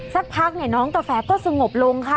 สักพักเนี่ยน้องกาแฟก็สงบลงค่ะ